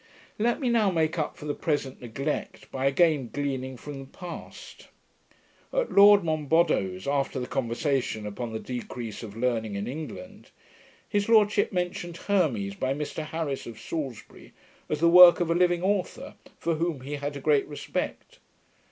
Let me now make up for the present neglect, by again gleaning from the past. At Lord Monboddo's, after the conversation upon the decrease of learning in England, his Lordship mentioned Hermes by Mr Harris of Salisbury, as the work of a living authour, for whom he had a great respect.